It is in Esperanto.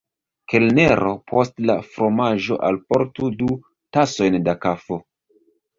Kelnero, post la fromaĝo alportu du tasojn da kafo.